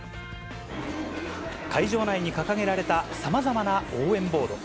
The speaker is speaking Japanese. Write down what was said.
会場内に掲げられたさまざまな応援ボード。